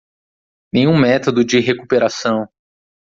Nenhum método de recuperação